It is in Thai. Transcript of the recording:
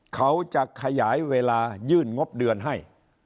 เขาจะขยายเวลายื่นงบเดือนให้